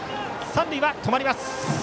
三塁で止まります。